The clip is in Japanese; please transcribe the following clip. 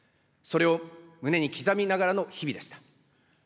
それを胸に刻みながらの日々でした。